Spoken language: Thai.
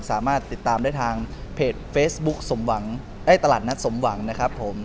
สามารถติดตามได้ทางเพจเฟซบุ๊คสมหวังได้ตลาดนัดสมหวังนะครับผม